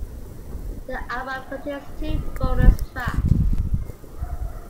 The album contains two bonus tracks.